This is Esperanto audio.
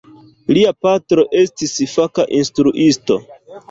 Lia patro estis faka instruisto.